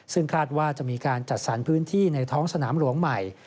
ซึ่งคาดว่าจะมีการจัดสรรพื้นที่ในท้องสนามหลวงใหม่